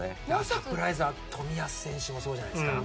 サプライズは冨安選手もそうじゃないですか？